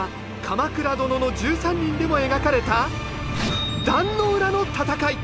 「鎌倉殿の１３人」でも描かれた壇ノ浦の戦い。